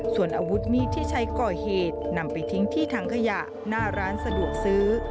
ส่วนอาวุธมีดที่ใช้ก่อเหตุนำไปทิ้งที่ถังขยะหน้าร้านสะดวกซื้อ